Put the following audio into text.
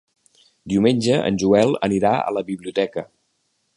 Diumenge en Joel anirà a la biblioteca.